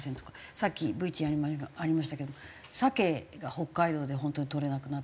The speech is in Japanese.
さっきＶＴＲにもありましたけどサケが北海道で本当にとれなくなってる。